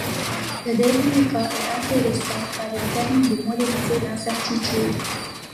Le dernier cas est intéressant, car il permet de modéliser l'incertitude.